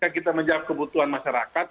kita menjawab kebutuhan masyarakat